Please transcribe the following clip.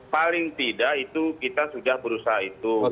paling tidak itu kita sudah berusaha itu